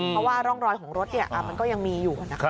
เพราะว่าร่องรอยของรถมันก็ยังมีอยู่นะครับ